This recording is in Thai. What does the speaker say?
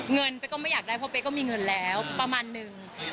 เป๊กก็ไม่อยากได้เพราะเป๊กก็มีเงินแล้วประมาณนึง